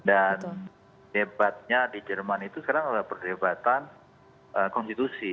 dan debatnya di jerman itu sekarang adalah perdebatan konstitusi